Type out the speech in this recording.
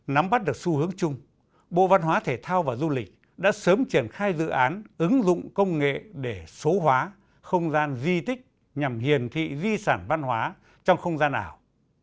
nắm bắt được xu hướng chung bộ văn hóa thể thao và du lịch đã sớm triển khai dự án ứng dụng công nghệ để số hóa không gian di tích nhằm hiển thị di sản văn hóa trong không gian ảo